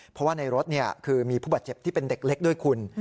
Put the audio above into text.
เพราะว่าในรถคือมีผู้บาดเจ็บที่เป็นเด็กเล็กด้วยคุณ